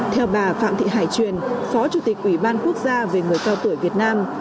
theo bà phạm thị hải truyền phó chủ tịch ủy ban quốc gia về người cao tuổi việt nam